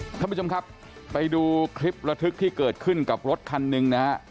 ท่านผู้ชมครับไปดูคลิประทึกที่เกิดขึ้นกับรถคันหนึ่งนะฮะ